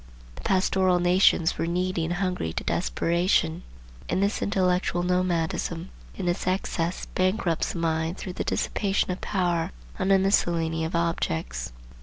The pastoral nations were needy and hungry to desperation; and this intellectual nomadism, in its excess, bankrupts the mind through the dissipation of power on a miscellany of objects.